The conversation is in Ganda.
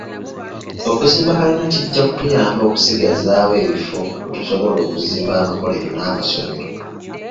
Okuzimba kalina kijja kutuyamba okusigazaawo ebifo we tusobola okuzimba amakolero n’amasomero.